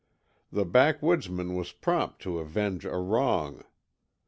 The backwoodsman was prompt to avenge a wrong.